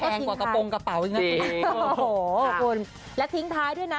กว่ากระโปรงกระเป๋าอีกนะโอ้โหคุณและทิ้งท้ายด้วยนะ